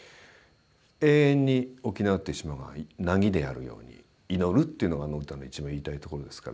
永遠に沖縄っていう島が凪であるように祈るっていうのがあの歌の一番言いたいところですから。